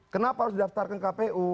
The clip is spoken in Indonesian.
kenapa harus didaftarkan kpu